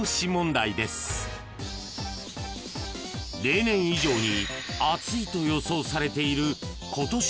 ［例年以上に暑いと予想されている今年の夏］